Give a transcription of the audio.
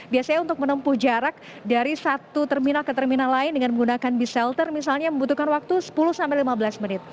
biasanya untuk menempuh jarak dari satu terminal ke terminal lain dengan menggunakan bis shelter misalnya membutuhkan waktu sepuluh sampai lima belas menit